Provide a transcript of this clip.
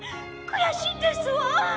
くやしいですわ。